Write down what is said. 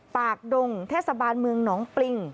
ปากดงเทศบาลเมืองหนองปริง